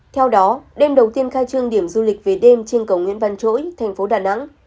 theo đó đêm đầu tiên khai trương điểm du lịch về đêm trên cầu nguyễn văn chỗi thành phố đà nẵng